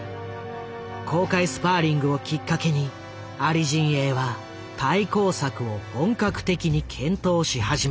公開スパーリングをきっかけにアリ陣営は対抗策を本格的に検討し始める。